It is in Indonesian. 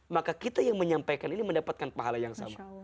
maka kita yang menyampaikan ini mendapatkan pahala yang sama